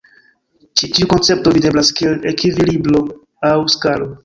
Ĉi tiu koncepto videblas kiel ekvilibro aŭ skalo.